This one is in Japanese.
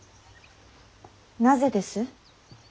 なぜです。